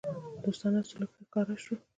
دوستانه سلوک ښکاره شو.